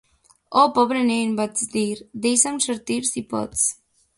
"Oh, pobre nen", vaig dir; "deixa'm sortir, si pots!".